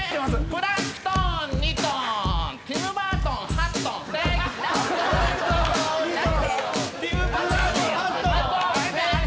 プランクトン２ｔティム・バートン８ｔ。ＯＫ。